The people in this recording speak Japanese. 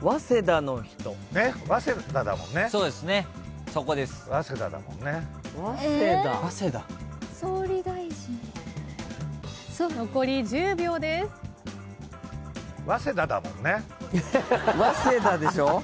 早稲田でしょ？